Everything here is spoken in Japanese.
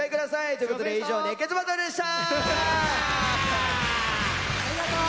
ということで以上「熱血バトル」でした！